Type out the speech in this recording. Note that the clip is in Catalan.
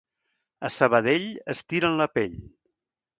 A Sabadell, estiren la pell.